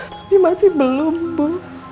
tapi masih belum bu